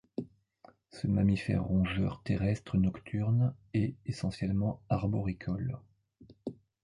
Ce mammifère rongeur terrestre nocturne est essentiellement arboricole.